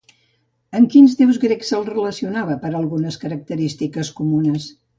Amb quins déus grecs se'l relacionava per algunes característiques comunes?